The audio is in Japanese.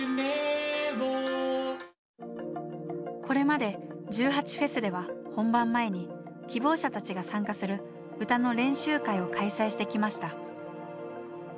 これまで１８祭では本番前に希望者たちが参加する歌の練習会を開催してきました。